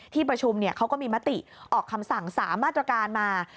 ที่ประชุมเขาก็มีมติออกคำสั่ง๓มาตรการมา